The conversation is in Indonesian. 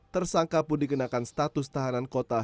tersangka pun dikenakan status tahanan kota